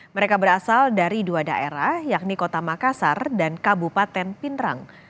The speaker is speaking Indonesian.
mereka berasal dari dua daerah yakni kota makassar dan kabupaten pindrang